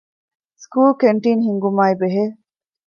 ސްކޫލް ކެންޓީން ހިންގުމާއި ބެހޭ